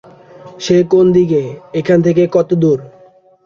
সে কোন দিকে, এখান থেকে কতদূর?